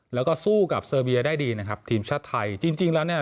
แล้วก็สู้กับเซอร์เบียได้ดีนะครับทีมชาติไทยจริงจริงแล้วเนี่ย